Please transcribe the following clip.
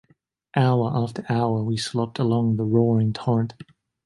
Hour after hour we slopped along by the roaring torrent.